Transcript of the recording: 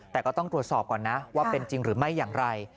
แต่ก็ต้องตรวจสอบก่อนนะว่าเป็นจริงหรือไม่อย่างไร